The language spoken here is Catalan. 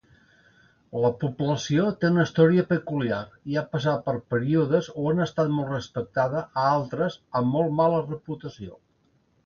La població té una història peculiar i ha passat per períodes on ha estat molt respectada a altres amb molt mala reputació.